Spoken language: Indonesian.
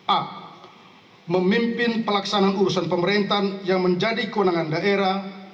a memimpin pelaksanaan urusan pemerintahan yang menjadi kewenangan daerah